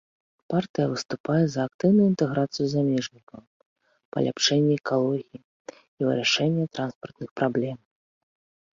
Партыя выступае за актыўную інтэграцыю замежнікаў, паляпшэнне экалогіі і вырашэнне транспартных праблем.